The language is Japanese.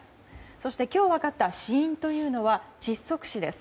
そして今日分かった死因というのは窒息死です。